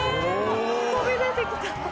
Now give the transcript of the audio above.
飛び出て来た。